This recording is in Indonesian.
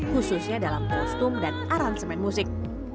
khususnya dalam kostum dan aransemen musik